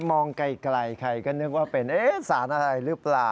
มองไกลใครก็นึกว่าเป็นสารอะไรหรือเปล่า